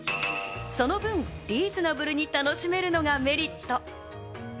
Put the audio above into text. その分リーズナブルに楽しめるのがメリット。